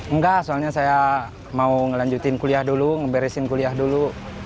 enggak soalnya saya mau ngelanjutin kuliah dulu ngeberesin kuliah dulu